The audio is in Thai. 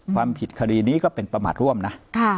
ความผิดคดีนี้ก็เป็นประมาทร่วมนะ